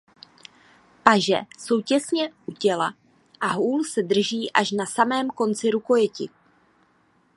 Paže jsou těsně u těla a hůl se drží až na samém konci rukojeti.